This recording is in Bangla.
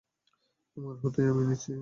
তোমার হয়ে আমিই নিচ্ছি।